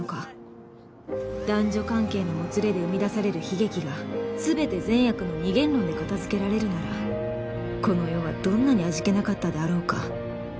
男女関係のもつれで生み出される悲劇が全て善悪の二元論で片付けられるならこの世はどんなに味気なかったであろうか